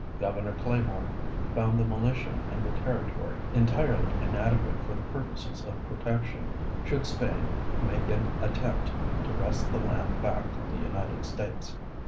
Governor Claiborne found the militia in the territory entirely inadequate for the purposes of protection, should Spain make an attempt to wrest the land back from the United States.